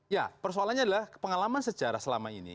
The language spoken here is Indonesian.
ya persoalannya adalah pengalaman sejarah selama ini